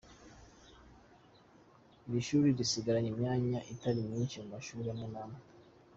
Iri shuri risigaranye imyanya itari myinshi mu mashuri amwe namwe.